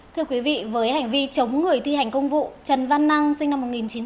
thưa quý vị với hành vi chống người thi hành công vụ trần văn năng sinh năm một nghìn chín trăm tám mươi